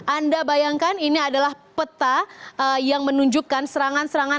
anda bayangkan ini adalah peta yang menunjukkan serangan serangan